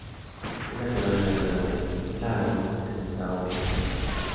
Es natural de la ciudad de Lagos en el estado de Edo.